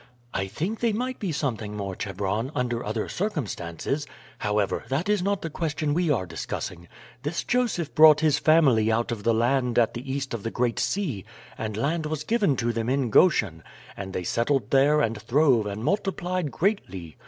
"I think they might be something more, Chebron, under other circumstances. However, that is not the question we are discussing. This Joseph brought his family out of the land at the east of the Great Sea, and land was given to them in Goshen, and they settled there and throve and multiplied greatly.